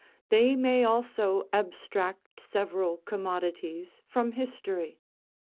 They may also abstract several commodities from history.